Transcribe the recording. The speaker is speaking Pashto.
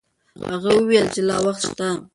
هغې وویل چې لا وخت شته.